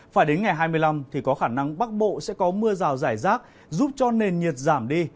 phải đến ngày hai mươi năm thì có khả năng bắc bộ sẽ có mưa rào rải rác giúp cho nền nhiệt giảm đi